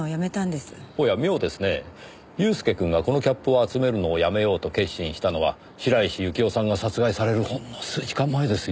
祐介くんがこのキャップを集めるのをやめようと決心したのは白石幸生さんが殺害されるほんの数時間前ですよ。